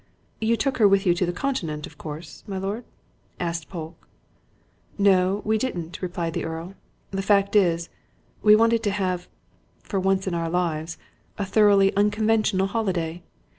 "You took her with you to the Continent, of course, my lord?" asked Polke. "No, we didn't," replied the Earl. "The fact is we wanted to have, for once in our lives, a thoroughly unconventional holiday.